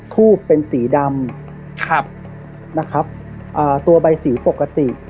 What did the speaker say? ทูบเป็นสีดำครับนะครับอ่าตัวใบสีปกติ